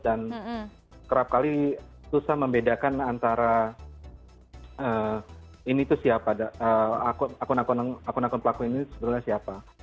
kerap kali susah membedakan antara ini itu siapa akun akun pelaku ini sebenarnya siapa